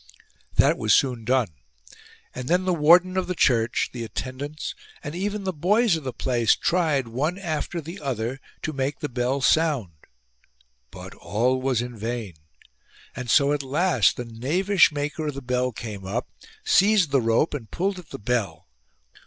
That was soon done ; and then the warden of the church, the attendants and even the boys of the place tried, one after the other, to make the bell sound. But all was in vain ; and so at last the knavish maker of the bell came up, seized the rope, and pulled at the bell.